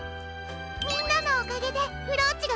みんなのおかげでブローチがもどったわ！